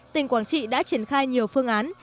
tỉnh quảng trị đã triển khai nhiều phương án